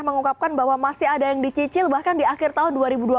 mengungkapkan bahwa masih ada yang dicicil bahkan di akhir tahun dua ribu dua puluh